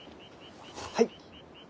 はい。